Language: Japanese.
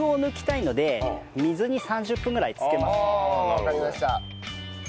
わかりました。